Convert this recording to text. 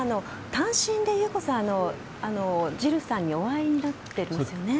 単身で裕子さんはジルさんにお会いになってるんですよね。